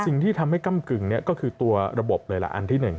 สิ่งที่ทำให้กำกึ่งก็คือตัวระบบเลยล่ะอันที่๑